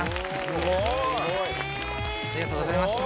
すごい！ありがとうございました。